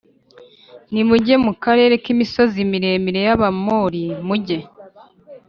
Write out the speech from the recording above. Nimujye mu karere k imisozi miremire y Abamori m mujye